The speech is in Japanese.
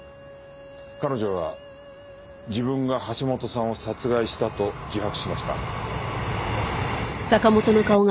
彼女は自分が橋本さんを殺害したと自白しました。